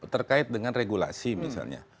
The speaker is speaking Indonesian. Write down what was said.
terkait dengan regulasi misalnya